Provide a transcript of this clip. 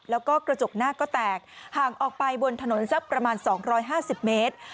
แล้วก็กระจกหน้าก็แตกห่างออกไปบนถนนสักประมาณ๒๕๐เมตร